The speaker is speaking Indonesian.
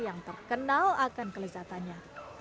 yang terkenal akan keliskatannya